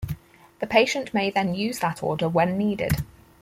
The patient may then use that order when needed.